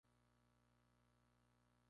Gran parte de esta zona.